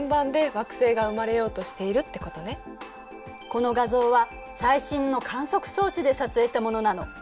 この画像は最新の観測装置で撮影したものなの。